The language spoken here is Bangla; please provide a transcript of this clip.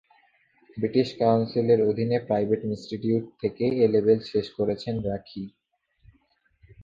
ব্রিটিশ কাউন্সিলের অধীনে প্রাইভেট ইনস্টিটিউট থেকে এ-লেভেল শেষ করেছেন রাখি।